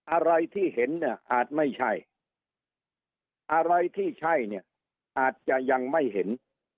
อะไรที่เห็นเนี่ยอาจไม่ใช่อะไรที่ใช่เนี่ยอาจจะยังไม่เห็น